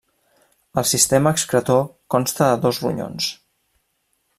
El sistema excretor consta de dos ronyons.